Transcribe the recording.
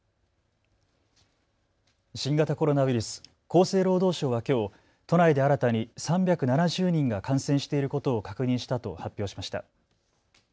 新型コロナウイルス、厚生労働省はきょう都内で新たに３７０人が感染していることを確認したと発表しました。